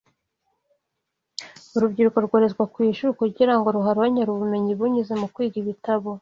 urubyiruko rwoherezwa ku ishuri kugira ngo ruharonkere ubumenyi binyuze mu kwiga ibitabo